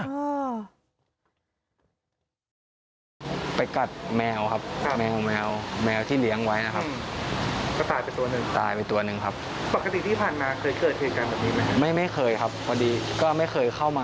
เยอะครับเลี้ยงไว้ค่อนข้างเยอะประมาณ๖๗ตัวได้ครับ